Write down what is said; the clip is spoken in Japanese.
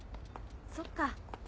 そっか。